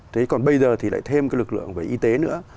thế còn bây giờ thì lại thêm cái lực lượng về y tế nữa